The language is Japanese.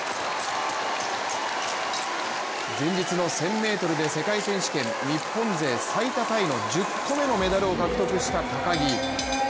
前日の１０００ｍで世界選手権日本勢最多タイの１０個目のメダルを獲得した高木。